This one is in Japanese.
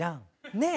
ねえ。